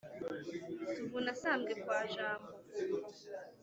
tuvuna sambwe kwa jambo !